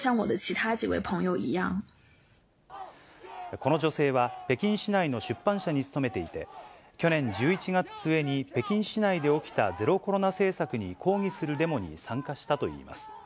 この女性は、北京市内の出版社に勤めていて、去年１１月末に、北京市内で起きた、ゼロコロナ政策に抗議するデモに参加したといいます。